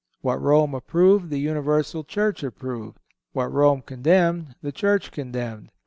What Rome approved, the universal Church approved; what Rome condemned, the Church condemned.